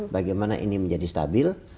bagaimana ini menjadi stabil